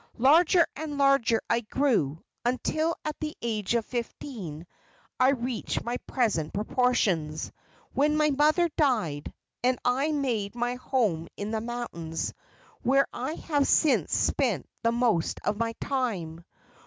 Larger and larger I grew, until at the age of fifteen I reached my present proportions, when my mother died, and I made my home in the mountains, where I have since spent the most of my time.